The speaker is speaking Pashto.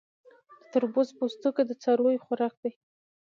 د تربوز پوستکی د څارویو خوراک دی.